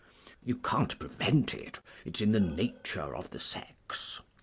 You can't prevent it; it's in the nature of the sex.